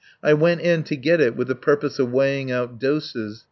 I went in to get it with the purpose of weighing out doses.